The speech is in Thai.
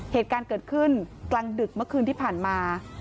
เหตุการณ์เกิดขึ้นกลางดึกเมื่อคืนที่ผ่านมา